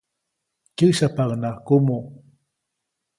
Kyäsyapaʼuŋnaʼak kumuʼ.